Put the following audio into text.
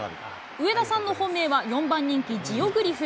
上田さんの本命は、４番人気、ジオグリフ。